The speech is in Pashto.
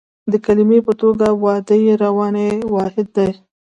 د کلمې په توګه واده یو رواني واحد دی